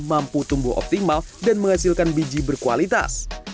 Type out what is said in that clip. mampu tumbuh optimal dan menghasilkan biji berkualitas